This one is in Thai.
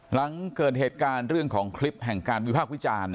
หลังเกิดเหตุการณ์เรื่องของคลิปแห่งการวิพากษ์วิจารณ์